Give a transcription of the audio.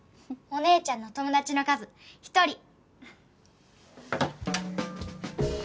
お姉ちゃんの友達の数１人。